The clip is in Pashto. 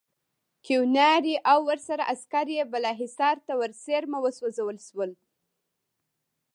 کیوناري او ورسره عسکر یې بالاحصار ته ورڅېرمه وسوځول شول.